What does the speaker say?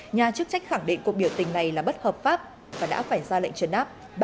nhà chức trách khẳng định cuộc biểu tình này là bất hợp pháp và đã phải ra lệnh trấn áp